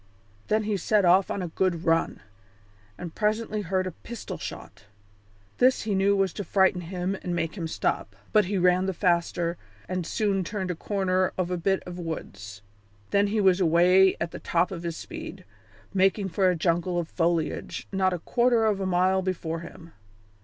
Then he set off on a good run, and presently heard a pistol shot. This he knew was to frighten him and make him stop, but he ran the faster and soon turned the corner of a bit of woods. Then he was away at the top of his speed, making for a jungle of foliage not a quarter of a mile before him.